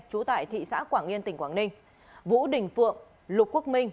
trú tại thị xã quảng yên tỉnh quảng ninh vũ đình phượng lục quốc minh